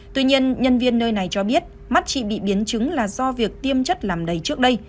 tuy nhiên nhân viên nơi này cho biết mắt chị bị biến chứng là do việc tiêm chất làm đầy trước đây